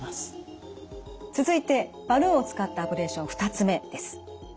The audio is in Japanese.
続いてバルーンを使ったアブレーション２つ目です。